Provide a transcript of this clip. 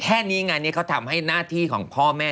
แค่นี้งานนี้เขาทำให้หน้าที่ของพ่อแม่